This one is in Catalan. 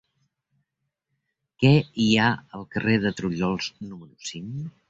Què hi ha al carrer de Trullols número cinc?